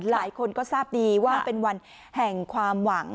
หลายคนก็ทราบดีว่าเป็นวันแห่งความหวัง